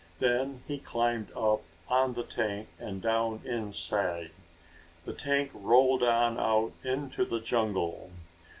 Then he climbed up on the tank and down inside. The tank rolled on out into the jungle.